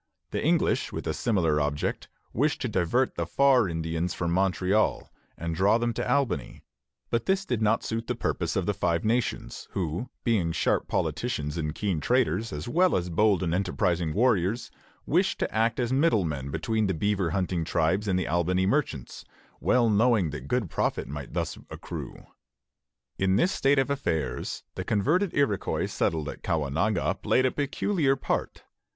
The English, with a similar object, wished to divert the "Far Indians" from Montreal and draw them to Albany; but this did not suit the purpose of the Five Nations, who, being sharp politicians and keen traders, as well as bold and enterprising warriors, wished to act as middle men between the beaver hunting tribes and the Albany merchants, well knowing that good profit might thus accrue. In this state of affairs the converted Iroquois settled at Caughnawaga played a peculiar part.